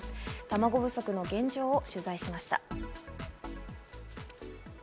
たまご不足の現状を取材しました。